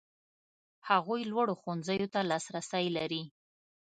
هغوی لوړو ښوونځیو ته لاسرسی لري.